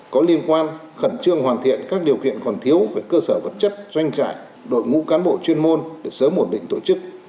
có liên quan khẩn trương hoàn thiện các điều kiện còn thiếu về cơ sở vật chất doanh trại đội ngũ cán bộ chuyên môn để sớm ổn định tổ chức